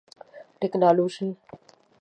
ټکنالوژي